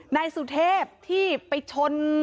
นายสุเทพที่ไปชน